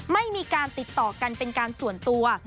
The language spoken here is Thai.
ไม่มีการติดต่อกันเป็นการส่วนตัว